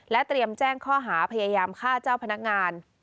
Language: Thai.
เตรียมแจ้งข้อหาพยายามฆ่าเจ้าพนักงาน